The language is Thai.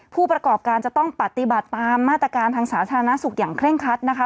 ผู้ประกอบการจะต้องปฏิบัติตามมาตรการทางสาธารณสุขอย่างเคร่งคัดนะคะ